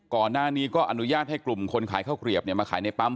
ก่อนหน้านี้ก็อนุญาตให้กลุ่มคนขายข้าวเกลียบมาขายในปั๊ม